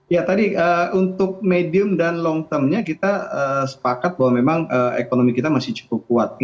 ya tadi untuk medium dan long termnya kita sepakat bahwa memang ekonomi kita masih cukup kuat